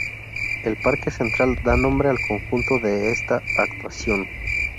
El Parque Central da nombre al conjunto de esta actuación.